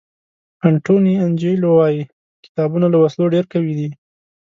انټوني انجیلو وایي کتابونه له وسلو ډېر قوي دي.